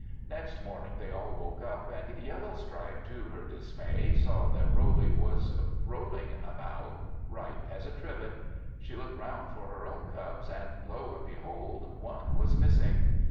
Next morning, they all woke up; and Yellowstripe, to her dismay, saw that Roley was rolling about, right as a trivet. She looked round for her own cubs, and lo and behold! one was missing.